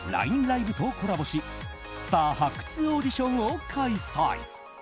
ＬＩＮＥＬＩＶＥとコラボしスター発掘オーディションを開催。